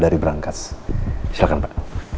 dari berangkas silahkan pak